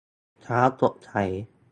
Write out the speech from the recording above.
เช้าสดใส